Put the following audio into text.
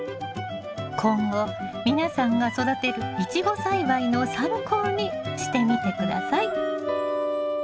今後皆さんが育てるイチゴ栽培の参考にしてみて下さい。